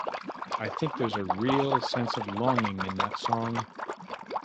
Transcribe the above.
I think there's a real sense of longing in that song.